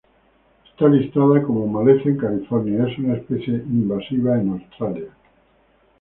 Está listada como maleza en California y es una especie invasiva en Australia.